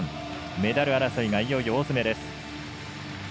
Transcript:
メダル争いがいよいよ大詰めです。